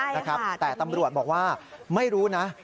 นะครับแต่ตำรวจบอกว่าไม่รู้นะ